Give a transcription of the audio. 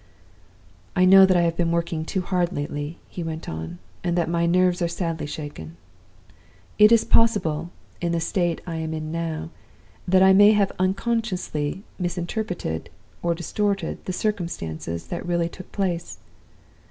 "'I know that I have been working too hard lately,' he went on, 'and that my nerves are sadly shaken. It is possible, in the state I am in now, that I may have unconsciously misinterpreted, or distorted, the circumstances that really took place.